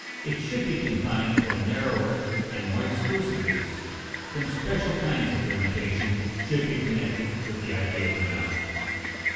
It should be confined to a narrower and more exclusive use. Some special kinds of limitation should be connected with the idea of monopoly.